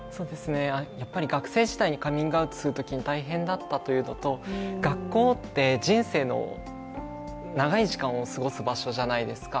やっぱり学生時代にカミングアウトするのは大変だったということと、学校って人生の長い時間を過ごす場所じゃないですか。